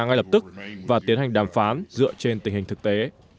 ngay lập tức và tiến hành đàm phán dựa trên tình hình thực tế